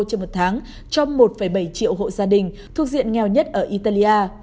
trên một tháng cho một bảy triệu hộ gia đình thuộc diện nghèo nhất ở italia